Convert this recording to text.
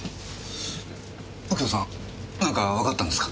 右京さんなんかわかったんですか？